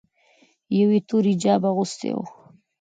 یوه یې تور حجاب اغوستی و.